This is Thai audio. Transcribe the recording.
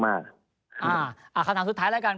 คำถามสุดท้ายแล้วกัน